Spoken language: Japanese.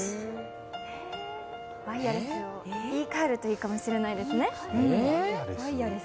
ワイヤレスを言い換えるといいかもしれないですね。